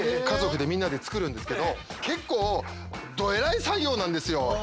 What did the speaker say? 家族でみんなで作るんですけど結構どエライ作業なんですよ。